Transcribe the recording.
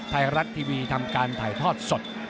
ไทยรัฐทีวีทำการถ่ายทอดสด